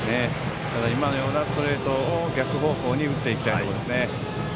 今のようなストレートを逆方向に打ちたいですね。